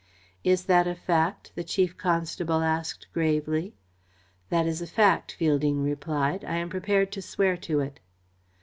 "Is that a fact?" the Chief Constable asked gravely. "That is a fact," Fielding replied. "I am prepared to swear to it."